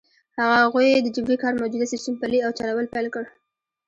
هغوی د جبري کار موجوده سیستم پلی او چلول پیل کړ.